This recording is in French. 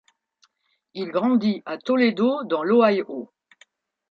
Il grandit à Toledo dans l'Ohio.